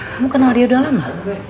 kamu kenal dia udah lama